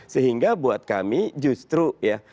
sehingga buat kami justru ya